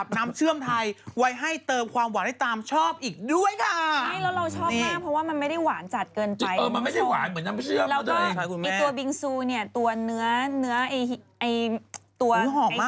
นี่คนละบ้านติดตามข้อมูลได้อย่างไงบ้างไหม